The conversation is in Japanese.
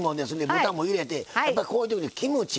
豚も入れてやっぱこういう時にキムチ。